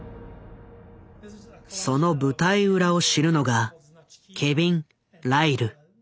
その舞台裏を知るのがケビン・ライル。